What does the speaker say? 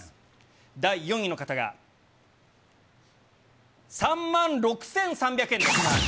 第４位の方が、３万６３００円です。